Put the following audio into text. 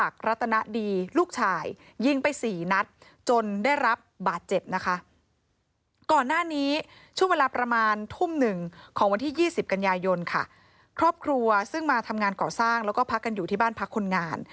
ครอบครัวซึ่งมาทำงานก่อสร้างแล้วก็พักกันอยู่ที่บ้านพักคนงาน